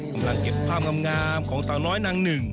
กำลังเก็บภาพงามของสาวน้อยนางหนึ่ง